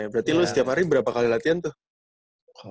berarti lo setiap hari berapa kali latihan tuh